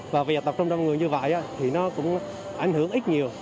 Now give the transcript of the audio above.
và việc tập trung đông người như vậy thì nó cũng ảnh hưởng ít nhiều